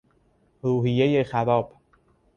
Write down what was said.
روحیهی خراب